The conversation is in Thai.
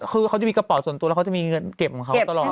คือเขาจะมีกระเป๋าส่วนตัวแล้วเขาจะมีเงินเก็บของเขาตลอด